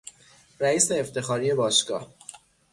رئیس افتخاری باشگاه